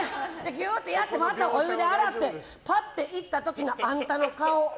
ギューってやってお湯で洗ってパって行った時のあんたの顔。